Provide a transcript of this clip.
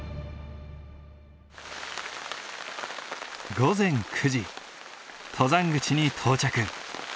午前９時登山口に到着。